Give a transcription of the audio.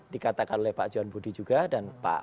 dikatakan oleh pak johan budi juga dan pak